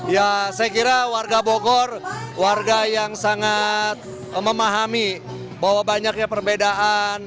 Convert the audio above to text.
ya saya kira warga bogor warga yang sangat memahami bahwa banyaknya perbedaan